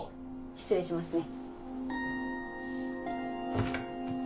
失礼しますね。